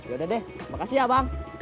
yaudah deh makasih ya bang